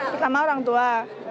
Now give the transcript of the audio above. pertama orang tua